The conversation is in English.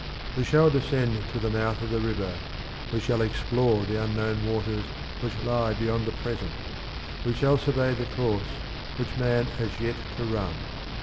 We shall descend to the mouth of the river, we shall explore the unknown waters which lie beyond the present, we shall survey the course which man has yet to run.